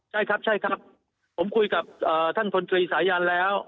ใช่ครับผมคุยกับท่านทนทริตรายานแล้ว